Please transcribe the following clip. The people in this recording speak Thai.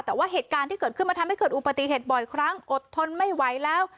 แต่ว่าเหตุการณ์ที่เกิดขึ้นมันทำให้เกิดอุบัติเหตุบ่อยครั้งอดทนไม่ไหวแล้ว